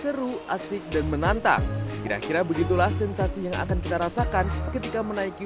seru asik dan menantang kira kira begitulah sensasi yang akan kita rasakan ketika menaiki